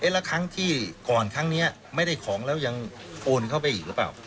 แล้วครั้งที่ก่อนครั้งนี้ไม่ได้ของแล้วยังโอนเข้าไปอีกหรือเปล่า